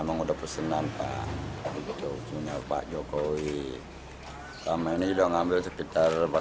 mungkin jangan sampai ada kotoran di lokasi dia